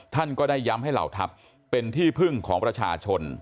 ท่านก็ได้ย้ำให้เหล่าทัพเป็นที่พึ่งของประชาชน